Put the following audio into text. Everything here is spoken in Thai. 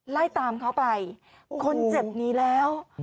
ไล่ตามเขาไปคนเจ็บหนีแล้ว